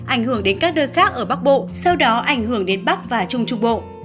ảnh hưởng đến các nơi khác ở bắc bộ sau đó ảnh hưởng đến bắc và trung trung bộ